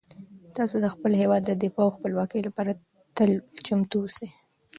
تاسو د خپل هیواد د دفاع او خپلواکۍ لپاره تل چمتو اوسئ.